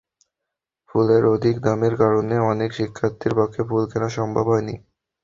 ফুলের অধিক দামের কারণে অনেক শিক্ষার্থীর পক্ষে ফুল কেনা সম্ভব হয়নি।